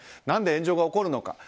何で炎上が起こるのか。